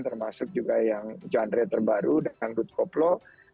termasuk juga yang genre terbaru dengan dut koplo